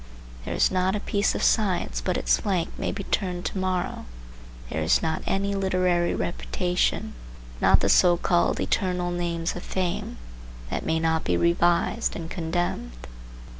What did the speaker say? There is not a piece of science but its flank may be turned to morrow; there is not any literary reputation, not the so called eternal names of fame, that may not be revised and condemned.